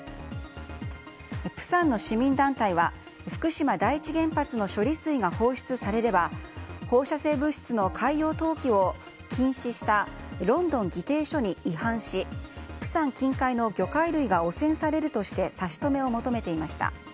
プサンの市民団体は福島第一原発の処理水が放出されれば放射性物質の海洋投棄を禁止したロンドン議定書に違反し釜山近海の魚介類が汚染されるとして差し止めを求めていました。